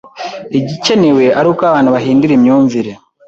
igikenewe ari uko abantu bahindura imyumvire